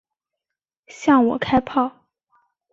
向我开炮！